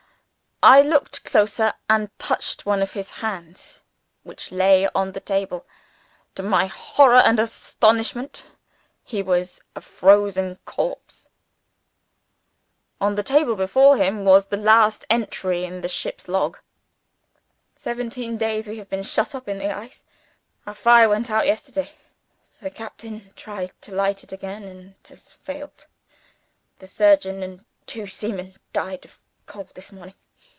I looked closer, and touched one of his hands which lay on the table. To my horror and astonishment, he was a frozen corpse. "On the table before him was the last entry in the ship's log! "'Seventeen days since we have been shut up in the ice: Our fire went out yesterday. The captain tried to light it again, and has failed. The surgeon and two seamen died of cold this morning.